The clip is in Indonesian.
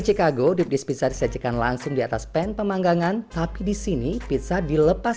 chicago dipis pis saja kan langsung di atas pen pemanggangan tapi disini pizza dilepas